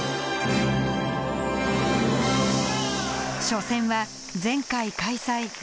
初戦は前回開催